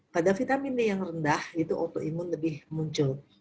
pada vitamin d yang rendah itu autoimun lebih muncul